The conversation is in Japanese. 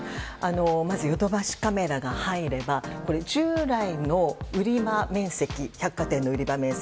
まず、ヨドバシカメラが入れば従来の百貨店の売り場面積